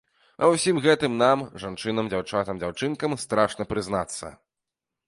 Ва ўсім гэтым нам, жанчынам, дзяўчатам, дзяўчынкам, страшна прызнацца.